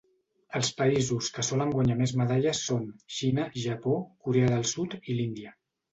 Els països que solen guanyar més medalles són Xina, Japó, Corea del Sud i l'Índia.